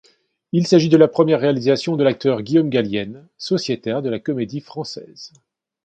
Il s'agit de la première réalisation de l'acteur Guillaume Gallienne, sociétaire de la Comédie-Française.